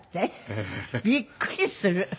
ええ。びっくりする。